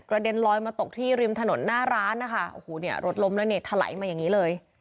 เด็นลอยมาตกที่ริมถนนหน้าร้านนะคะโอ้โหเนี่ยรถล้มแล้วเนี่ยถลายมาอย่างนี้เลย